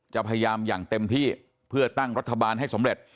จะพยายามอย่างเต็มที่เพื่อตั้งรัฐบาลให้สำเร็จ